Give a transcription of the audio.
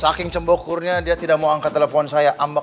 saking cembokurnya dia tidak mau angkat telepon saya ambak